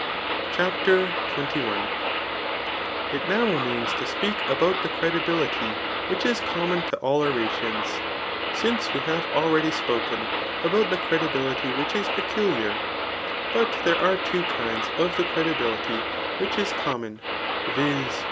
CHAF. tXXI. RHSTCniC. 263 CHAPTER XXL It now remains to speak about the credibility which is common to all [^orations], since we have already spoken about the credibility which is peculiar. But there are two kinds of the credibility which is common, viz.